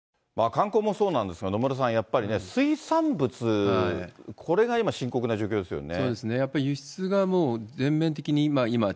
観光もそうなんですが、野村さん、やっぱりね、水産物、これが今深刻な状況ですよね。